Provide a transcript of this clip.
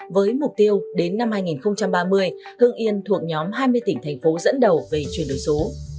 với mục tiêu đến năm hai nghìn ba mươi hưng yên thuộc nhóm hai mươi tỉnh thành phố dẫn đầu về chuyển đổi số